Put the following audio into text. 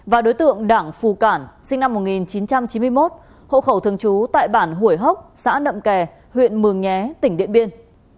và đối tượng đảng phù cản sinh năm một nghìn chín trăm chín mươi một hộ khẩu thường trú tại bản hủy hốc xã nậm kè huyện mường nhé tỉnh điện biên